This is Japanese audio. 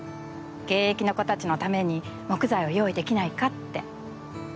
現役の子たちのために木材を用意できないかって。